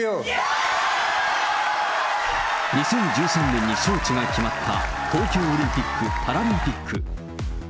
２０１３年に招致が決まった東京オリンピック・パラリンピック。